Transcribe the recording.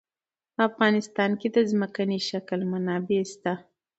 په افغانستان کې د ځمکنی شکل منابع شته.